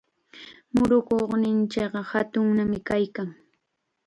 Murukuyninchikqa hatunnam kaykan.